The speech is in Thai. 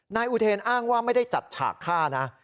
นายอุเทนอ้างว่าไม่ได้จัดฉากฆ่านะ